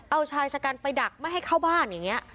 เอาชายชะกันไปดักไม่ให้เข้าบ้านอย่างนี้